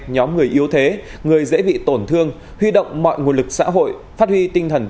nhóm người yếu thế người dễ bị tổn thương huy động mọi nguồn lực xã hội phát huy tinh thần